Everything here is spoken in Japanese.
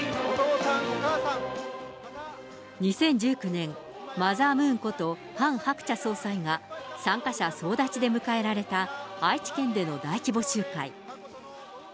２０１９年、マザームーンこと、ハン・ハクチャ総裁が参加者総立ちで迎えられた愛知県での大規模集会。